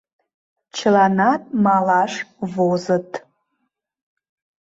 Чыланат малаш возыт.